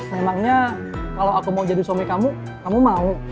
memangnya kalau aku mau jadi suami kamu kamu mau